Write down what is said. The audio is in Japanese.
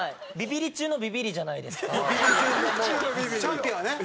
チャンピオンや。